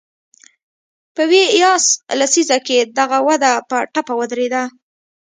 په ویاس لسیزه کې دغه وده په ټپه ودرېده.